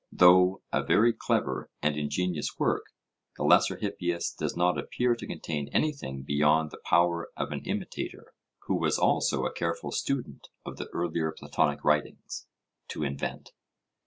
Though a very clever and ingenious work, the Lesser Hippias does not appear to contain anything beyond the power of an imitator, who was also a careful student of the earlier Platonic writings, to invent.